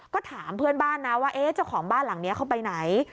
ก็ถามเพื่อนบ้านนะว่าเจ้าของบ้านหลังนี้เขาไปไหน